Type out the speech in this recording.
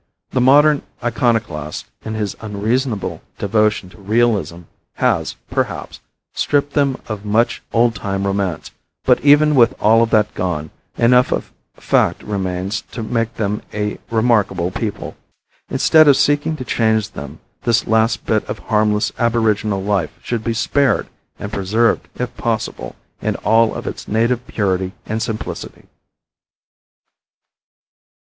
The modern iconoclast in his unreasonable devotion to realism has, perhaps, stripped them of much old time romance, but even with all of that gone, enough of fact remains to make them a remarkable people. Instead of seeking to change them this last bit of harmless aboriginal life should be spared and preserved, if possible, in all of its native purity and simplicity.